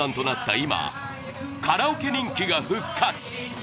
今カラオケ人気が復活